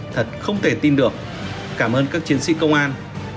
thật không thể tin được cảm ơn các chiến sĩ công an